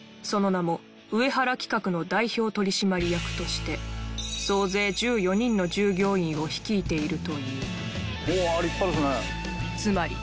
その名も上原企画の代表取締役として総勢１４人の従業員を率いているといううわ立派ですね。